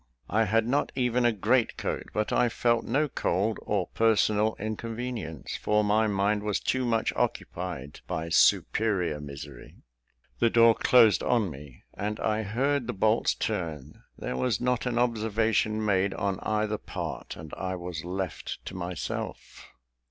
I had not even a great coat; but I felt no cold or personal inconvenience, for my mind was too much occupied by superior misery. The door closed on me, and I heard the bolts turn. There was not an observation made on either part, and I was left to myself.